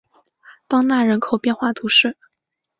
邦讷人口变化图示